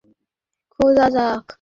শহরে খোঁজা যাক।